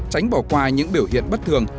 tránh bỏ qua những biểu hiện bất thường